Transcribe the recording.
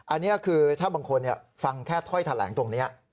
อันนี้คือถ้าบางคนฟังแค่ถ้อยแถลงตรงนี้